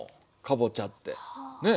かぼちゃってね。